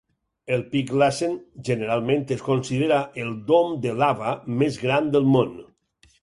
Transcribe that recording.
El Pic Lassen generalment es considera el dom de lava més gran del món.